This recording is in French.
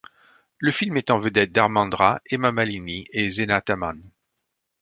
Le film met en vedette Dharmendra, Hema Malini et Zeenat Aman.